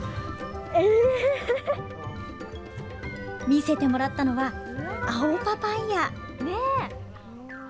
見せてもらったのは青パパイア。